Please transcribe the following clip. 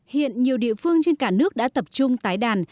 hiện nhiều địa phương trên cả nước đã tập trung tái đàn